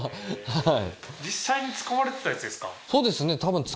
はい。